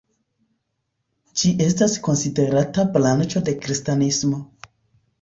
Ĝi estas konsiderata branĉo de kristanismo.